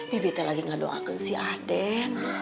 bibi tuh lagi gak doa ke si aden